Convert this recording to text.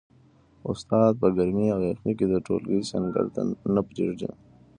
استاد په ګرمۍ او یخنۍ کي د ټولګي سنګر نه پریږدي.